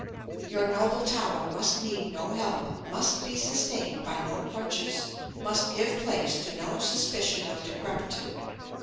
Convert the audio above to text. Your noble tower must need no help, must be sustained by no crutches, must give place to no suspicion of decrepitude.